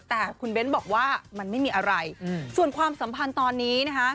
แต่คุณเบ้นบอกว่ามันไม่มีอะไรส่วนความสัมพันธ์ตอนนี้นะคะ